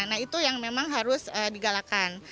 nah itu yang memang harus digalakan